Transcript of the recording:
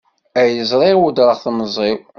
Ay ẓriɣ weddreɣ temẓi-w.